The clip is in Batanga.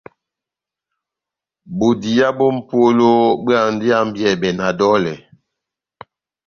Bodiya bó mʼpola bóhándi ihambiyɛbɛ na dɔlɛ.